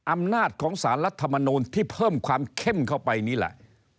อำนาจของสารรัฐมนูลที่เพิ่มความเข้มเข้าไปนี่แหละ